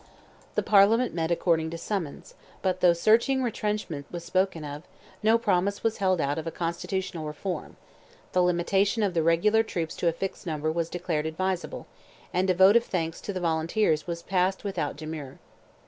The Parliament met according to summons, but though searching retrenchment was spoken of, no promise was held out of a constitutional reform; the limitation of the regular troops to a fixed number was declared advisable, and a vote of thanks to the Volunteers was passed without demur.